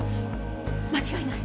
間違いない。